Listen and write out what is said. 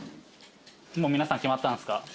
もう皆さん決まったんすか？